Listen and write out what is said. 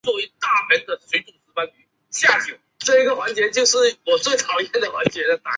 回京任谒者。